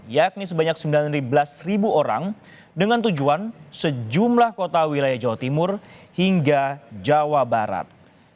yakni sebanyak sembilan belas orang dengan tujuan sejumlah kota wilayah jawa timur hingga jawa barat